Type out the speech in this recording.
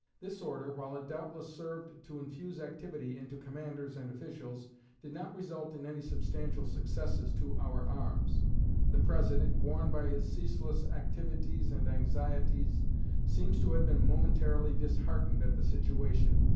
This order, while it doubtless served to infuse activity into commanders and officials, did not result in any substantial successes to our arms. The President, worn by his ceaseless activities and anxieties, seems to have been momentarily disheartened at the situation.